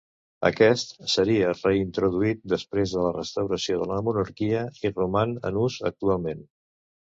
Aquest seria reintroduït després de la restauració de la monarquia i roman en ús actualment.